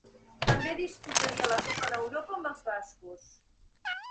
També disputaria la Copa d'Europa amb els bascos.